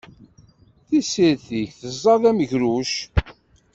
Tissirt-ik tẓad amegruc.